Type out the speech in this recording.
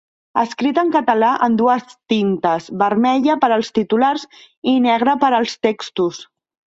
Escrit en català en dues tintes, vermella per als titulars i negra per als textos.